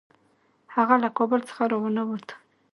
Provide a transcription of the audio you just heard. هغه له کابل څخه را ونه ووت.